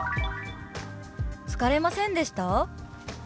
「疲れませんでした？」。